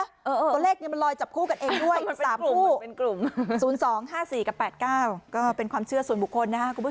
ตัวเลขมันลอยจับคู่กันเองด้วยสามคู่๐๒๕๔๘๙ก็เป็นความเชื่อส่วนบุคคลนะครับ